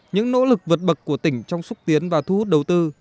những nỗ lực vượt bậc của tỉnh trong xúc tiến và thu hút đầu tư